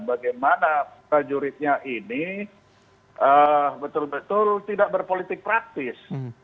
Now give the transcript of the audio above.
bagaimana prajuritnya ini betul betul tidak berpolitik praktis